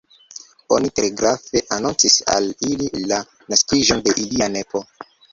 Oni telegrafe anoncis al ili la naskiĝon de ilia nepo.